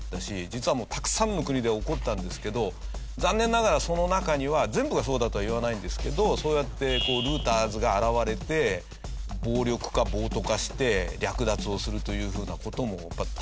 実はもうたくさんの国で起こったんですけど残念ながらその中には全部がそうだとは言わないんですけどそうやってＬｏｏｔｅｒｓが現れて暴力化暴徒化して略奪をするというふうな事もたくさん起こってるんです。